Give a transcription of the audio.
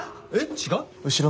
えっ違う？